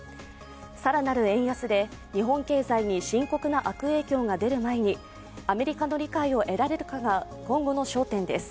更なる円安で日本経済に深刻な悪影響が出る前にアメリカの理解を得られるかが今後の焦点です。